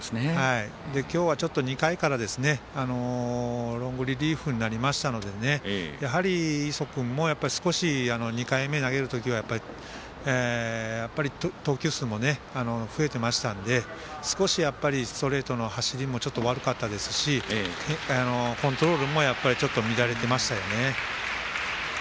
今日はちょっと２回からロングリリーフになりましたのでやはり、磯君も少し２回目、投げる時は投球数も増えていましたので少しストレートの走りもちょっと悪かったですしコントロールも乱れてましたよね。